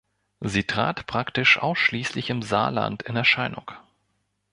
Sie trat praktisch ausschließlich im Saarland in Erscheinung.